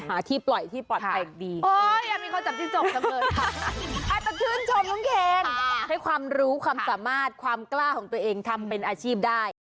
ให้ความรู้ความสามารถความกล้าของตัวเองทำเป็นอาชีพได้